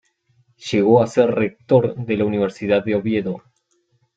Llegó a ser rector de la universidad de Oviedo.